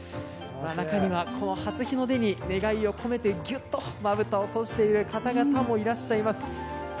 中には初日の出に願いを込めてきゅっとまぶたを閉じている方々もいらっしゃいます。